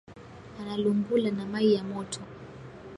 Analungula na mayi ya moto